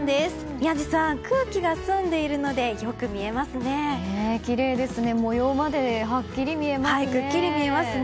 宮司さん、空気が澄んでいるのでよく見えますよね。